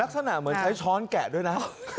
ลักษณะเหมือนใช้ช้อนแกะด้วยนะ